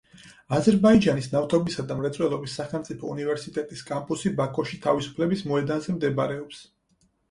აზერბაიჯანის ნავთობისა და მრეწველობის სახელმწიფო უნივერსიტეტის კამპუსი ბაქოში, თავისუფლების მოედანზე მდებარეობს.